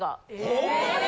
ホンマに？